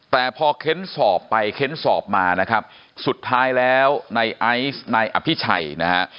แต่พอเค้นสอบไปเค้นสอบมานะครับสุดท้ายแล้วในไอซ์นายอภิชัยนะฮะ